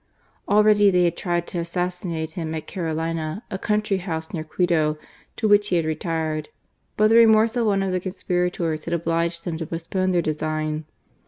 Already they had tried to assassinate him at Carolina, a country house near Quito to which he had retired ; but the remorse of one of the conspirators had obliged them to postpone their design.